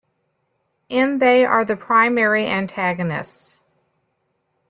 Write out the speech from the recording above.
In they are the primary antagonists.